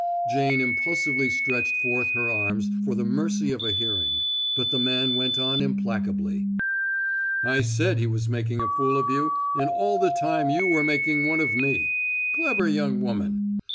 Jane impulsively stretched forth her arms for the mercy of a hearing, but the man went on implacably: "I said he was making a fool of you and all the time you were making one of me. Clever young woman.